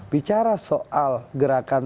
bicara soal gerakan